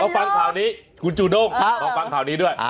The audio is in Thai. เอาฟังข่าวนี้คุณจูนกเอาฟังข่าวนี้ด้วย